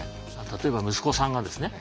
例えば息子さんがですね